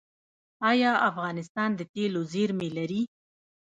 آیا افغانستان د تیلو زیرمې لري؟